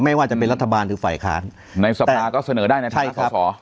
ไม่ว่าจะเป็นรัฐบาลหรือฝ่ายขาดในสัปดาห์ก็เสนอได้ในทางศาสตร์